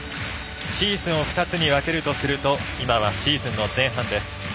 シーズンを２つに分けるとすると今はシーズンの前半です。